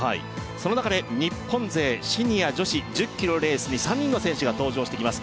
その中で日本勢シニア女子１０ｋｍのレースに３人の選手が登場してきます